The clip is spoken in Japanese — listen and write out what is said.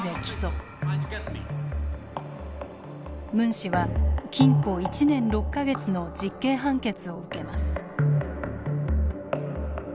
ムン氏は禁錮１年６か月の実刑判決を受けます。